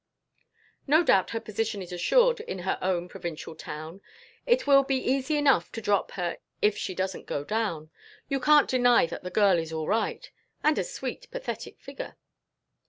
"No doubt her position is assured in her own provincial town. It will be easy enough to drop her if she doesn't go down. You can't deny that the girl is all right and a sweet pathetic figure."